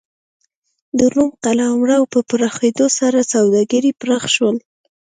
د روم قلمرو په پراخېدو سره سوداګري پراخ شول.